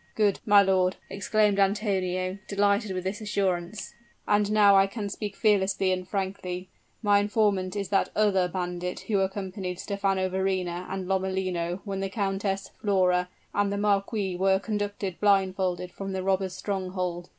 "Good, my lord!" exclaimed Antonio, delighted with this assurance; "and now I can speak fearlessly and frankly. My informant is that other bandit who accompanied Stephano Verrina and Lomellino when the countess, Flora, and the marquis were conducted blindfold from the robbers' stronghold.